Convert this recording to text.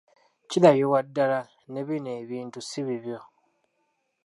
Kirabibwa ddala ne bino ebintu si bibyo.